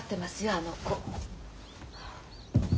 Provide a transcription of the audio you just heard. あの子。